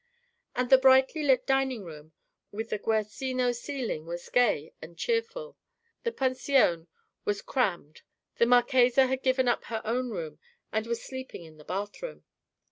And the brightly lit dining room with the Guercino ceiling was gay and cheerful. The pension was crammed: the marchesa had given up her own room and was sleeping in the bath room.